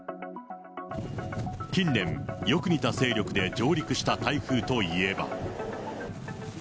近年、よく似た勢力で上陸した台風といえば。